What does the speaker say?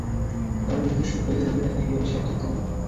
তার মৃত্যুর শোক সইতে না পেরে আগে কীভাবে সে আত্মহত্যা করলো?